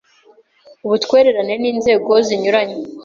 ubutwererane n inzego zinyuranye